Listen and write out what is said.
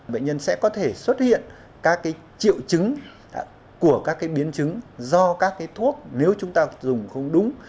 bệnh nhân sẽ có thể xuất hiện các triệu chứng của các biến chứng do các thuốc nếu chúng ta dùng không đúng